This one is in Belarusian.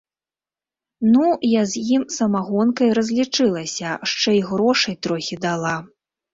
Ну, я з ім самагонкай разлічылася, шчэ й грошай трохі дала.